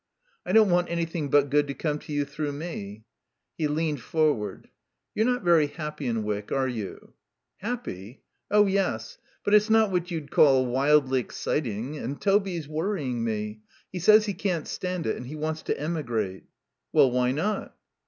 "I don't want anything but good to come to you through me" He leaned forward. "You're not very happy in Wyck, are you?" "Happy? Oh, yes. But it's not what you'd call wildly exciting. And Toby's worrying me. He says he can't stand it, and he wants to emigrate." "Well, why not?"